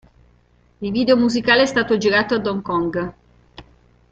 Il video musicale è stato girato ad Hong Kong.